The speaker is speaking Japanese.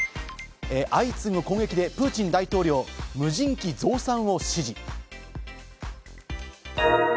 相次ぐ攻撃でプーチン大統領、無人機増産を指示。